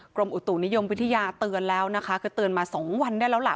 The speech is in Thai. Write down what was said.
กรมอุตุนิยมวิทยาเตือนแล้วนะคะคือเตือนมา๒วันได้แล้วล่ะ